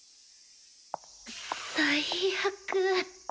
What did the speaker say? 最悪。